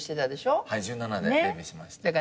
１７でデビューしまして。